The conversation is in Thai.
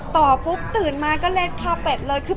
ต่อปุ๊บตื่นมาก็เล่นข้าวเป็ดเลย